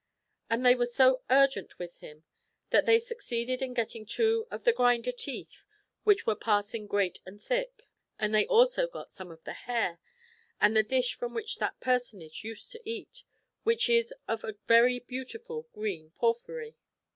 And they were so urgent with him that they succeeded in getting two of the grinder teeth, which were passing great and thick ; and they also got some of the hair, and the dish from which that personage used to eat, which is of a very beautiful green porphyry.